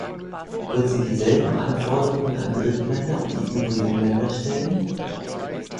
Wird sie dieselben Anforderungen an Drittländer und die übrigen Länder stellen?